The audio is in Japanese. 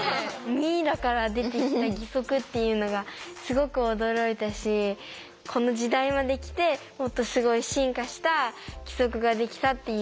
ミイラから出てきた義足っていうのがすごく驚いたしこの時代まで来てもっとすごい進化した義足ができたっていう。